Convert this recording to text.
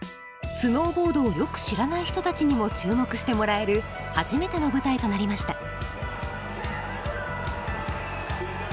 スノーボードをよく知らない人たちにも注目してもらえる初めての舞台となりました。